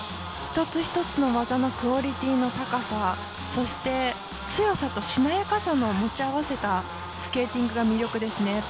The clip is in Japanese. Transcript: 一つ一つの技のクオリティーの高さそして、強さとしなやかさも持ち合わせたスケーティングが魅力ですね。